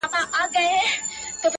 زه د لاسونو د دعا په حافظه کي نه يم _